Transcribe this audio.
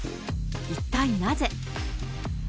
一体なぜ？